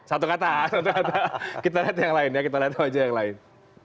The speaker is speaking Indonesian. satu kata atau kita lihat yang lain ya kita lihat wajah yang lain